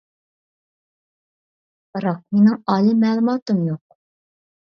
؟؟؟ بىراق مىنىڭ ئالىي مەلۇماتىم يوق.